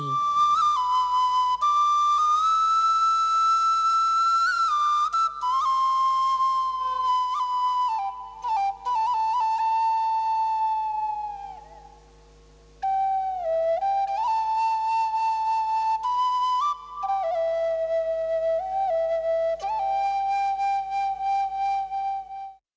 โดยเฉพาะพระอัชริยภาพทั้ง๔๘บทเพลง